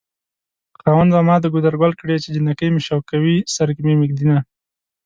خاونده ما د ګودر ګل کړې چې جنکۍ مې شوکوي سر کې مې ږدينه